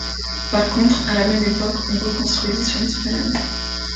Par contre, à la même époque, on reconstruisit sur l'esplanade.